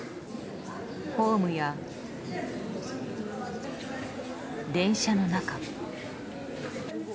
ホームや電車の中。